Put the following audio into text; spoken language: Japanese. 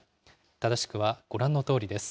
正しくはご覧のとおりです。